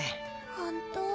本当。